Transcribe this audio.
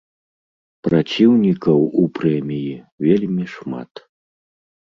Праціўнікаў у прэміі вельмі шмат.